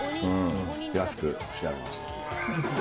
安く仕上げました。